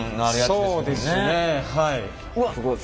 そうですねはい。